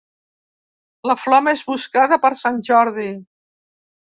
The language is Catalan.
La flor més buscada per sant Jordi.